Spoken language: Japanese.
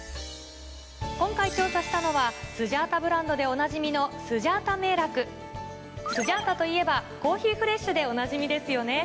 今回調査したのはスジャータブランドでおなじみのスジャータといえばコーヒーフレッシュでおなじみですよね。